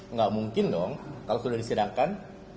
nggak mungkin dong kalau sudah disidangkan